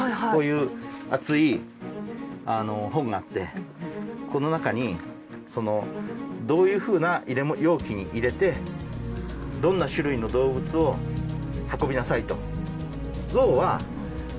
こういう厚い本があってこの中にどういうふうな容器に入れてどんな種類の動物を運びなさいと。